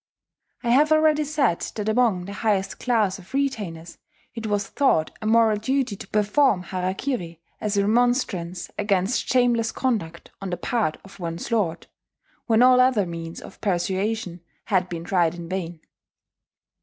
I have already said that among the highest class of retainers it was thought a moral duty to perform harakiri as a remonstrance against shameless conduct on the part of one's lord, when all other means of persuasion had been tried in vain.